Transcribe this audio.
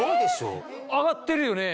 上がってるよね。